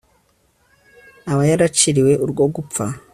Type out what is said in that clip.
aba yaraciriwe urwo gupfa